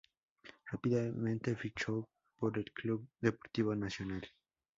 Rápidamente fichó por el Clube Desportivo Nacional.